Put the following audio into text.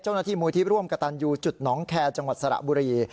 เจ้าหน้าที่มูลที่ร่วมกับตันอยู่จุดหนองแคจังหวัดสระบุรี